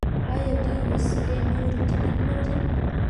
آیا دوی وسلې نورو ته نه پلوري؟